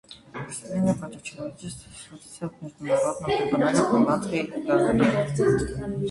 Преступления против человечества судятся в Международном трибунале в голландской Гааге.